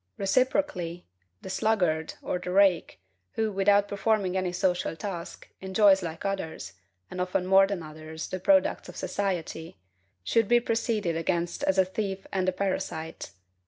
Reciprocally, the sluggard, or the rake, who, without performing any social task, enjoys like others and often more than others the products of society, should be proceeded against as a thief and a parasite.